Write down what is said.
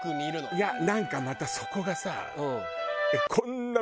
いやなんかまたそこがさ。